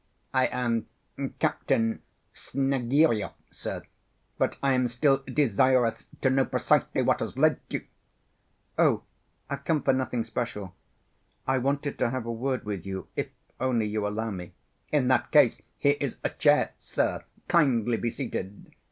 "I am Captain Snegiryov, sir, but I am still desirous to know precisely what has led you—" "Oh, I've come for nothing special. I wanted to have a word with you—if only you allow me." "In that case, here is a chair, sir; kindly be seated.